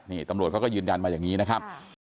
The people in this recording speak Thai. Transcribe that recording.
นี่ตำรวจเขาก็ยืนยันมาอย่างนี้นะครับ